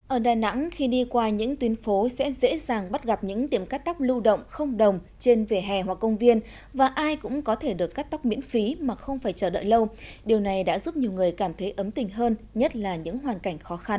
ở đà nẵng khi đi qua những tuyến phố sẽ dễ dàng bắt gặp những tiệm cắt tóc lưu động không đồng trên vỉa hè hoặc công viên và ai cũng có thể được cắt tóc miễn phí mà không phải chờ đợi lâu điều này đã giúp nhiều người cảm thấy ấm tình hơn nhất là những hoàn cảnh khó khăn